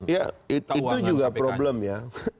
ya itu juga problem ya